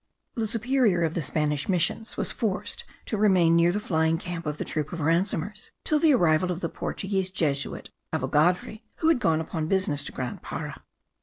The superior of the Spanish missions was forced to remain near the flying camp of the troop of ransomers till the arrival of the Portuguese Jesuit Avogadri, who had gone upon business to Grand Para.